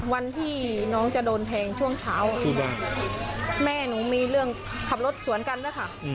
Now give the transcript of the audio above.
วันที่น้องจะโดนแทงช่วงเช้าแม่หนูมีเรื่องขับรถสวนกันด้วยค่ะ